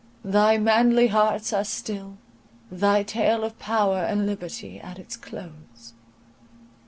Thy manly hearts are still; thy tale of power and liberty at its close!